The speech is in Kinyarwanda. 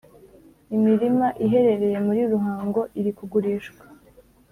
Imirima iherereye muri Ruhango iri kugurishwa